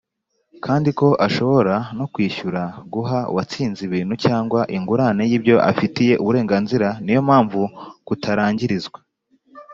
kandi ko ashobora no kwishyura guha uwatsinze ibintu cyangwa ingurane y ibyo afitiye uburenganzira Ni yo mpamvu kutarangirizwa